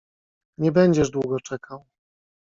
"Nie będziesz długo czekał."